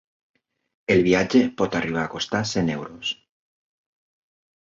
El viatge pot arribar a costar cent euros.